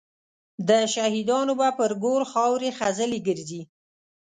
د شهیدانو به پر ګور خاوري خزلي ګرځي